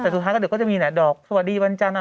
สวัสดีปีใหม่